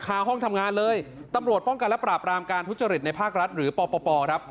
ห้องทำงานเลยตำรวจป้องกันและปราบรามการทุจริตในภาครัฐหรือปปครับ